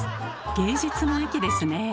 芸術の秋ですね。